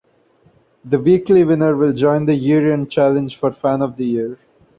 The weekly winner will join the year end challenge for "Fan of the year".